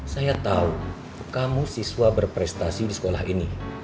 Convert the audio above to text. saya tahu kamu siswa berprestasi di sekolah ini